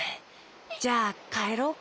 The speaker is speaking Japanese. じゃあかえろうか。